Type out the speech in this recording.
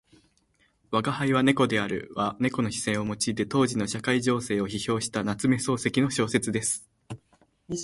「吾輩は猫である」は猫の視線を用いて当時の社会情勢を批評した夏目漱石の小説です。